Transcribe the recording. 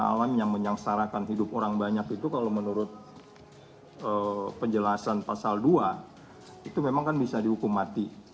alam yang menyangsarakan hidup orang banyak itu kalau menurut penjelasan pasal dua itu memang kan bisa dihukum mati